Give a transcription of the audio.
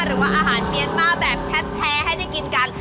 หรือว่าอาหารเมียนมาแบบแท้ให้ได้กินกัน